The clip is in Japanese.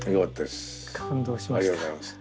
感動しました。